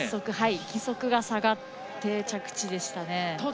義足が下がって着地でしたね。